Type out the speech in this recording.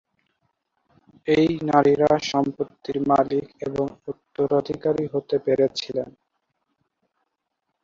এই নারীরা সম্পত্তির মালিক এবং উত্তরাধিকারী হতে পেরেছিলেন।